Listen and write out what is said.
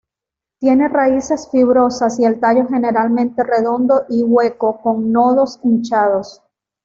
Tiene raíces fibrosas y el tallo generalmente redondo y hueco con nodos hinchados.